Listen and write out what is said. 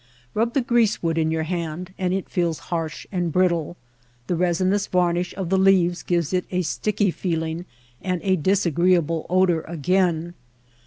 Rub the greasewood in your hand and it feels harsh and brittle. The resinous varnish of the leaves gives it a sticky feeling and a disagreeable odor again.